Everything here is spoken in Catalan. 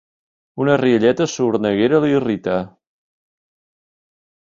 Una rialleta sorneguera l'irrita.